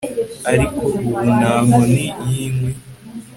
Ariko ubu nta nkoni yinkwi